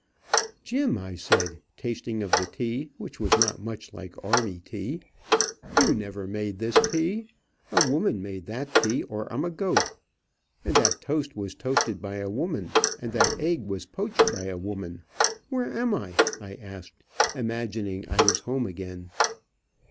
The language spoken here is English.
"Jim," I said, tasting of the tea, which was not much like army tea, "you never made this tea. A woman made that tea, or I'm a goat. And that toast was toasted by a woman, and that egg was poached by a woman. Where am I?" I asked, imagining that I was home again.